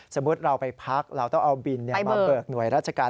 สมมุติเราไปพักเราต้องเอาบินมาเบิกหน่วยราชการ